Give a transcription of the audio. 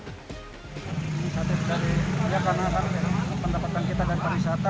karena pendapatan kita dari perwisata